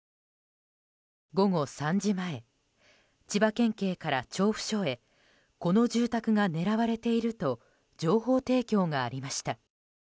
午後３時前千葉県警から調布署へこの住宅が狙われていると情報提供がありました。